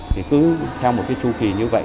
thì cứ theo một chú kỳ như vậy